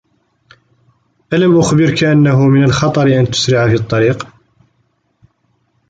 ألم أخبرك أنّه من الخطر أن تسرع في الطّريق؟